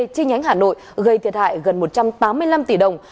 trên nhánh hà nội gây thiệt hại gần một trăm tám mươi năm